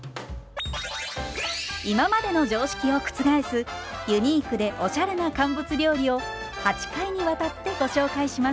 今までの常識を覆すユニークでおしゃれな乾物料理を８回にわたってご紹介します。